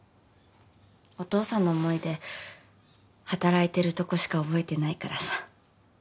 お父さんの思い出働いてるとこしか覚えてないからさ。